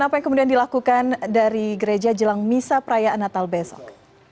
apa yang kemudian dilakukan dari gereja jelang misa perayaan natal besok